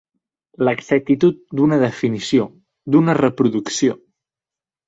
L'exactitud d'una definició, d'una reproducció.